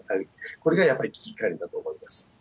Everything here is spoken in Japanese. これがやっぱり危機管理だと思います。